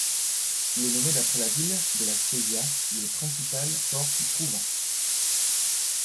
Il est nommé d'après la ville de La Spezia, le principal port s'y trouvant.